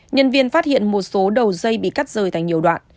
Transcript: nhân viên phát hiện một số đầu dây bị cắt rời thành nhiều đoạn